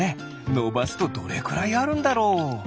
のばすとどれくらいあるんだろう？